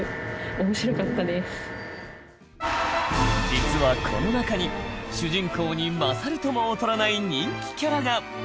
実は、この中に主人公に勝るとも劣らない人気キャラが！